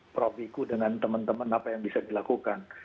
prof iku dengan teman teman apa yang bisa dilakukan